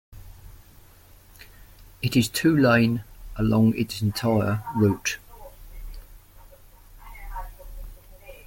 It is two-lane along its entire route.